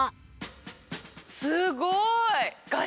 すごい！